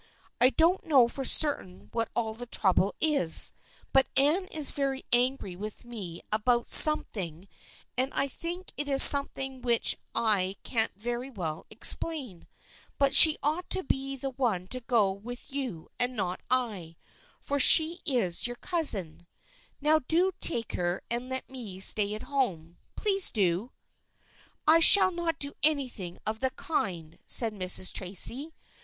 I don't know for certain what all the trouble is, but Anne is very angry with me about something THE FKIENDSHIP OF ANNE 151 and I think it is something which I can't very well explain. But she ought to be the one to go with you and not I, for she is your cousin. Now do take her and let me stay at home. Please do !"" I shall not do anything of the kind," said Mrs. Tracy.